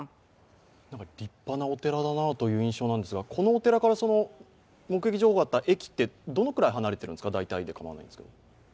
立派なお寺だなという印象なんですがこのお寺から目撃情報があった駅はどのくらい離れているんですか？